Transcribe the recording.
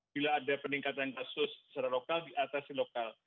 bila ada peningkatan kasus secara lokal di atasi lokal